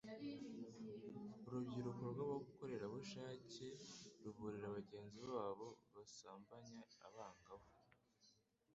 urubyiruko rw'abakorerabushake ruburira bagenzi babo basambanya abangavu